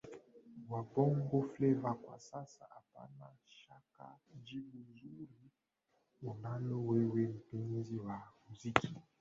wa Bongo Fleva kwa sasa Hapana shaka jibu zuri unalo wewe mpenzi wa muziki